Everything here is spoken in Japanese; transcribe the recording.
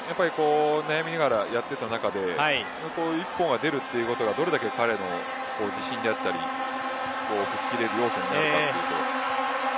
悩みながらやっている中でこういった１本が出るというのがどれだけ彼の自信であったり決める要素につながるということ。